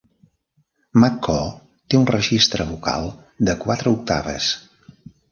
McCoo té un registre vocal de quatre octaves.